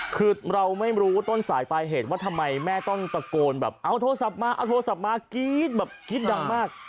คือเราไม่รู้ต้นสายปลายเหตุว่าทำไมแม่ต้องตะโกนแบบเอาโทรศัพท์มาเอาโทรศัพท์มากรี๊ดแบบกรี๊ดดังมาก